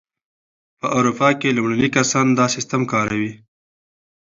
په اروپا کې لومړني کسان دا سیسټم کاروي.